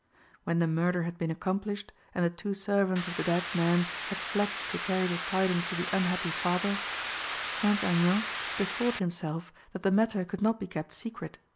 When the murder had been accomplished, and the two servants of the dead man had fled to carry the tidings to the unhappy father, St. Aignan bethought himself that the matter could not be kept secret.